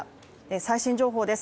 最新情報です。